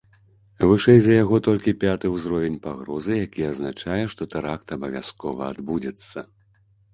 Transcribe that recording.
Вышэй за яго толькі пяты ўзровень пагрозы, які азначае, што тэракт абавязкова адбудзецца.